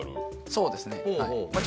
そうですね。